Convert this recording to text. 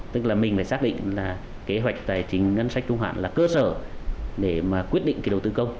tức là mình phải xác định là kế hoạch tài chính ngân sách trung hạn là cơ sở để mà quyết định cái đầu tư công